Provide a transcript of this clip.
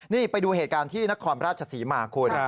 นี่ไปดูเหตุการณ์ที่นครราชศรีมาคุณ